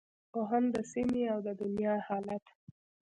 او هم د سیمې او دنیا حالت